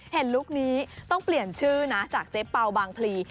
ลุคนี้ต้องเปลี่ยนชื่อนะจากเจ๊เป่าบางพลี